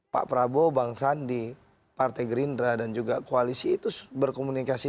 pak prabowo bang sandi partai gerindra dan juga koalisi itu berkomunikasi